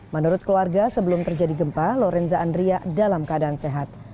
menurut keluarga sebelum terjadi gempa lorenza andria dalam keadaan sehat